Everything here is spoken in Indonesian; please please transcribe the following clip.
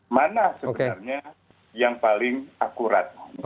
mana sebenarnya yang paling akurat